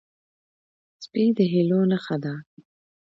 سپي د هیلو نښه ده.